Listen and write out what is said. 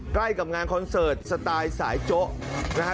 ใกล้กับงานคอนเสิร์ตสไตล์สายโจ๊ะนะฮะ